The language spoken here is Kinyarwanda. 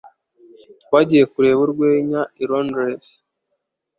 Twagiye kureba urwenya i Londres.